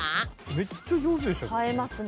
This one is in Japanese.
めっちゃ上手でしたけどね。